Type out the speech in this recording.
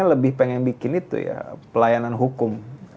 saya lebih pengen bikin itu ya pelayanan hukum